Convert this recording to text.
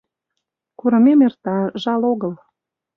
Курымем эрта, жал огыл